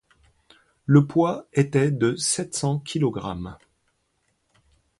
Le poids était de sept cents kilogrammes.